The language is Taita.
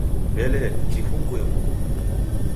W'ele, nifunguye nguku?